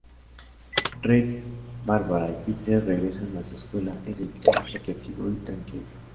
Rick, Barbara y Peter regresan a su escuela y Rick es reflexivo y tranquilo.